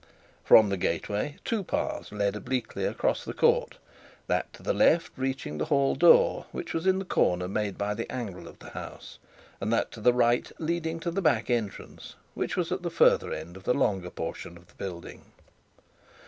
From the gateway two paths led obliquely across the court; that to the left reaching the hall door, which was in the corner made by the angle of the house, and that to the right leading to the back entrance, which was at the further end of the longer portion of the building.